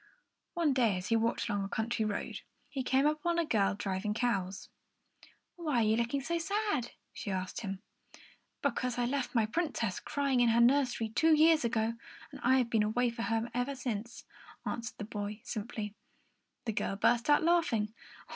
One day, as he walked along a country road, he came upon a girl driving cows. "Why are you looking so sad?" she asked him. "Because I left my Princess crying in her nursery two years ago, and I have been away from her ever since," answered the boy, simply. The girl burst out laughing.